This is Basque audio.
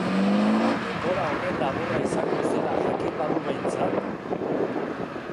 Denbora horren laburra izango zela jakin balu behintzat!